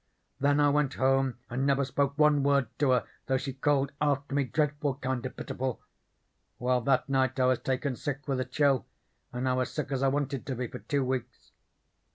Then I went home and never spoke one word to her though she called after me dreadful kind of pitiful. Well, that night I was taken sick with a chill, and I was sick as I wanted to be for two weeks.